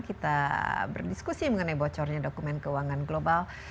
kita berdiskusi mengenai bocornya dokumen keuangan global